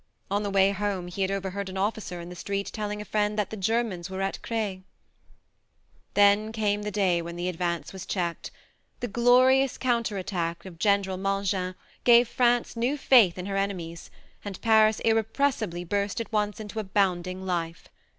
On the way home he had overheard an officer in the street telling a friend that the Germans were at Creil. ... Then came the day when the advance was checked. The glorious counter attack of General Mangin gave France new faith in her armies, and Paris irrepressibly burst at once into abound ing life.